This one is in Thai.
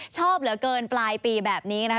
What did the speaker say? ชอบเหลือเกินปลายปีแบบนี้นะคะ